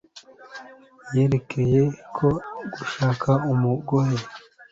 yerekanye ko gushaka umugore